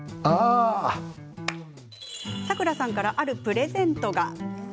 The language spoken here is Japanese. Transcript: サクラさんからあるプレゼントが。